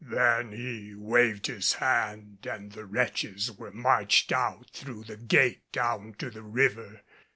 Then he waved his hand, and the wretches were marched out through the gate down to the river.